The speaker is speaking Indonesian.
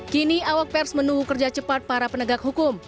kini awak pers menunggu kerja cepat para penegak hukum